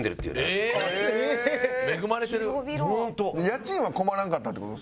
家賃は困らんかったって事ですね。